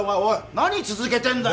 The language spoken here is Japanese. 何続けてんだよ